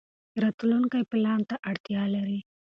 راتلونکی پلان ته اړتیا لري.